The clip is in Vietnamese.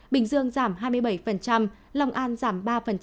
bình dương giảm hai mươi bảy long an giảm ba